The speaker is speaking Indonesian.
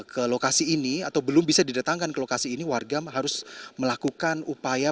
ke lokasi ini atau belum bisa didatangkan ke lokasi ini warga harus melakukan upaya